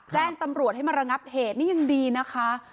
แจ้งตำรวจให้มาระงับเหตุนี่ยังดีนะคะ